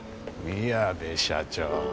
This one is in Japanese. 宮部社長。